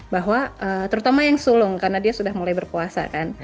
bahwa terutama yang sulung karena dia sudah mulai berpuasa kan